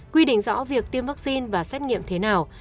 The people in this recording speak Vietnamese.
quy định rõ việc tiêm vaccine và xét nghiệm thế nào